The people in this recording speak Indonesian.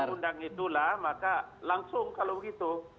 karena kewajiban undang undang itulah maka langsung kalau begitu